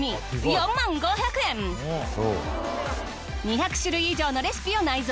２００種類以上のレシピを内蔵。